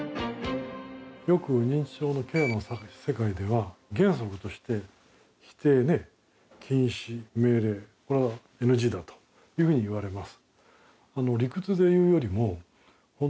認知症のケアの世界では原則として否定、禁止、命令これはＮＧだというふうにいわれます。